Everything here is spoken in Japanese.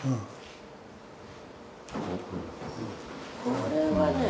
これはね